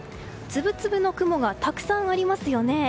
つぶつぶの雲がたくさんありますよね。